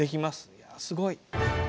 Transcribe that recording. いやすごい！